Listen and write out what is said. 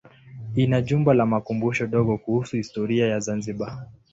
Ina jumba la makumbusho dogo kuhusu historia ya Zanzibar.